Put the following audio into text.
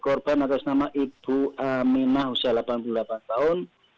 korban atas nama ibu aminah usia delapan puluh delapan tahun